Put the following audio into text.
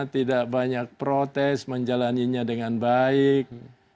tidak banyak protes menjalannya dengan baik